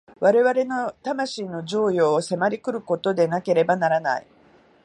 我々の魂の譲与を迫り来ることでなければならない。